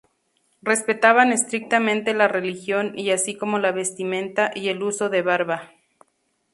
Respetaban estrictamente la religión y así como la vestimenta y el uso de barba.